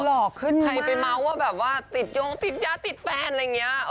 คือหล่อขึ้นมากใครไปเม้าท์ว่าติดย้างติดแฟนอะไรอย่างนี้